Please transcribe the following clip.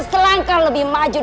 kesepakat un su